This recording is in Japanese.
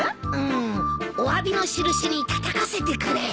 おわびの印にたたかせてくれ。